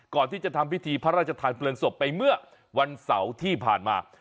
ก่อนที่จะทำพิธีพระราชทานเพลิงศพไปเมื่อวันเสาร์ที่ผ่านมา